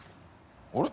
あれ？